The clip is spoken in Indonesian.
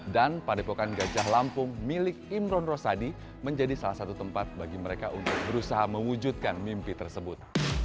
dan padepokan gajah lampung milik imron rosadi menjadi salah satu tempat bagi mereka untuk berusaha mewujudkan mimpi tersebut